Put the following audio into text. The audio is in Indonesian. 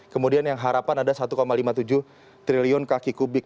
kemudian yang harapan ada satu lima puluh tujuh triliun kaki kubik